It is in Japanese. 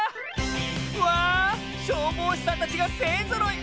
わ消防士さんたちがせいぞろい！